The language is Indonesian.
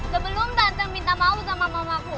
sebelum tante minta mau sama mamaku